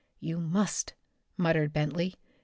"You must!" muttered Bentley.